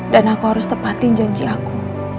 dan aku harus tepatin janji aku